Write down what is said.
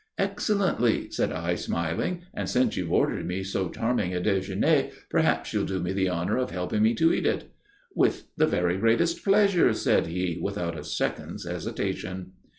"Excellently," said I, smiling. "And since you've ordered me so charming a déjeuner, perhaps you'll do me the honour of helping me to eat it?" "With the very greatest pleasure," said he, without a second's hesitation.